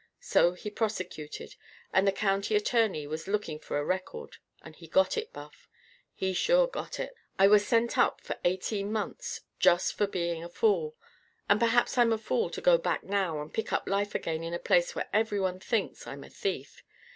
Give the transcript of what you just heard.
So he prosecuted. And the county attorney was looking for a record. And he got it, Buff. He sure got it. "I was sent up for eighteen months. Just for being a fool. And perhaps I'm a fool to go back now and pick up life again in a place where everyone thinks I'm a thief.